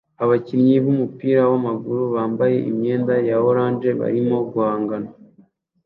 abakinnyi bumupira wamaguru bambaye imyenda ya orange barimo guhangana